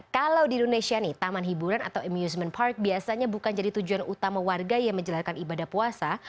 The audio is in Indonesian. kalau di indonesia nih taman hiburan atau amusement park biasanya bukan jadi tujuan utama warga yang menjalankan ibadah puasa